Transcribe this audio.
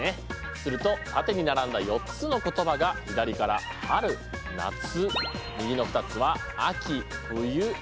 すると縦に並んだ４つの言葉が左から「はる」「なつ」右の２つは「あき」「ふゆ」。